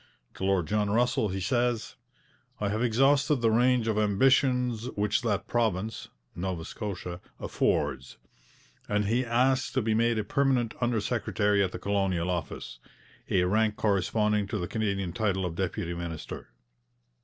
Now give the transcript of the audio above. To Lord John Russell he says: 'I have exhausted the range of ambitions which that province [Nova Scotia] affords'; and he asks to be made a permanent under secretary at the Colonial Office, a rank corresponding to the Canadian title of deputy minister.